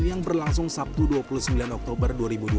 yang berlangsung sabtu dua puluh sembilan oktober dua ribu dua puluh